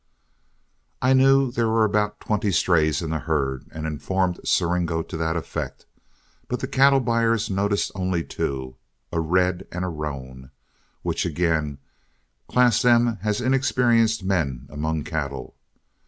I knew there were about twenty strays in the herd, and informed Siringo to that effect, but the cattle buyers noticed only two, a red and a roan, which again classed them as inexperienced men among cattle.